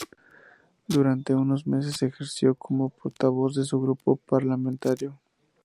Durante unos meses ejerció como portavoz de su grupo parlamentario.